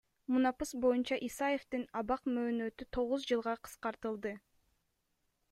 Мунапыс боюнча Исаевдин абак мөөнөтү тогуз жылга кыскартылды.